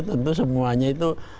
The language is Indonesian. tentu semuanya itu